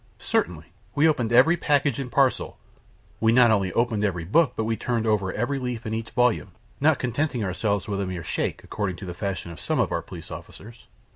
"Certainly; we opened every package and parcel; we not only opened every book, but we turned over every leaf in each volume, not contenting ourselves with a mere shake, according to the fashion of some of our police officers.